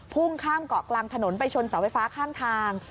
พุ่งข้ามเกาะกลางถนนไปชนเสาไฟฟ้าข้างทาง